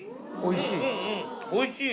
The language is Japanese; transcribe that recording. おいしい？